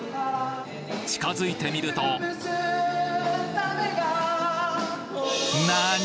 近づいてみるとなに？